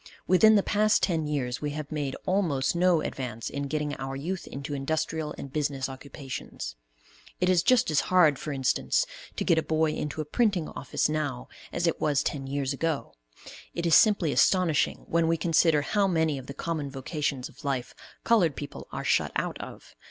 Within the past ten years we have made almost no advance in getting our youth into industrial and business occupations. It is just as hard for instance, to get a boy into a printing office now as it was ten years ago. It is simply astonishing when we consider how many of the common vocations of life colored people are shut out of.